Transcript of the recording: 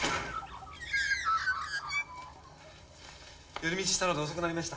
寄り道したので遅くなりました。